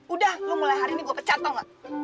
udah lo mulai hari ini gue pecat tau gak